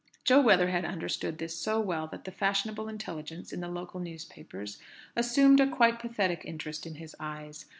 Jo Weatherhead understood this so well, that the "fashionable intelligence" in the local newspapers assumed a quite pathetic interest in his eyes.